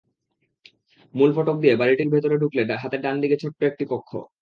মূল ফটক দিয়ে বাড়িটির ভেতরে ঢুকলে হাতের ডান দিকে ছোট্ট একটি কক্ষ।